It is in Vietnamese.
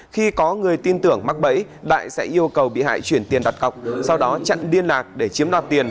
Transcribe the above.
khi có người tin tưởng mắc bẫy đại sẽ yêu cầu bị hại chuyển tiền đặt cọc sau đó chặn liên lạc để chiếm đoạt tiền